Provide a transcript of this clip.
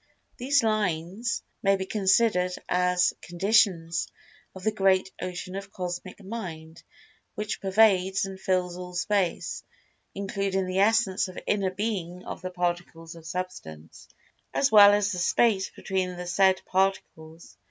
These "lines" may be considered as "conditions" of the great Ocean of Cosmic Mind which pervades and fills all Space, including the essence or inner being of the Particles of Substance, as well as the space between the said Particles.